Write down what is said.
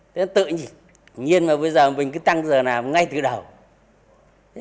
tự nhiên mà bây giờ mình cứ tăng giờ làm ngay từ đầu